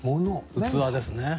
器ですね。